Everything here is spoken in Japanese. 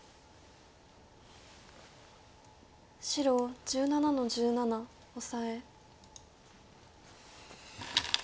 白１７の十七オサエ。